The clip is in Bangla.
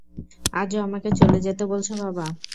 আজও আমাকে চলে যেতে বলছো, বাবা?